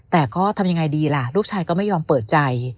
แต่ก็ทำยังไงดีล่ะลูกชายก็ไม่ยอมเปิดใจ